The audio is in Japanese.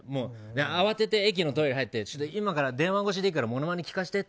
慌てて駅のトイレ入って電話越しでいいからモノマネ聞かせてって。